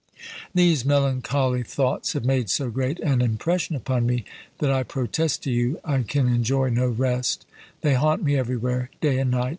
These melancholy thoughts have made so great an impression upon me, that I protest to you I can enjoy no rest; they haunt me everywhere, day and night.